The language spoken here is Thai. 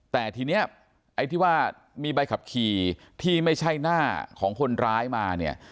แต่ทีนี้ไอ้ที่ว่ามีใบขับขี่ที่ไม่ใช่หน้าของคนร้ายมาเนี่ย